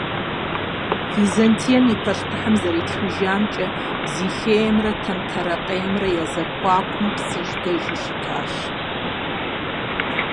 Византием и пащтыхьым зэритхыжамкӏэ, Зихиемрэ Тэмтэрэкъеймрэ я зэхуакум Псыжь дэжу щытащ.